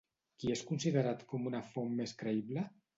Qui és considerat com una font més creïble?